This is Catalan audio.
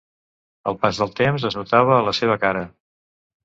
El pas del temps es notava a la seva cara